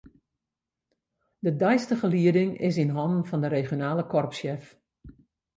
De deistige lieding is yn hannen fan de regionale korpssjef.